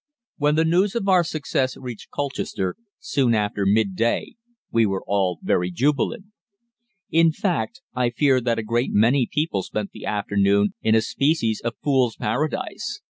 When the news of our success reached Colchester, soon after midday, we were all very jubilant. In fact, I fear that a great many people spent the afternoon in a species of fool's paradise.